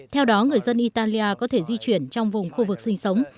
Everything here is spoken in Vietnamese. theo đó người dân italia có thể di chuyển trong vùng khu vực sinh sống